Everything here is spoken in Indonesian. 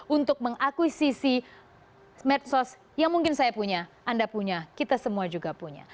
untuk mengakuisisi medsos yang mungkin saya punya anda punya kita semua juga punya